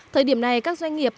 thời điểm này các doanh nghiệp